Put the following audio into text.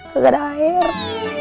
gak ada air